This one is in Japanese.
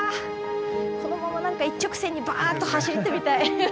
このまま何か一直線にばあっと走ってみたい。